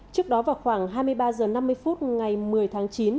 trước đó vào khoảng hai mươi ba h năm mươi phút ngày một mươi tháng chín